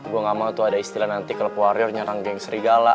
gue ga mau tuh ada istilah nanti klub warrior nyerang geng srigala